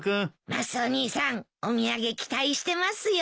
マスオ兄さんお土産期待してますよ。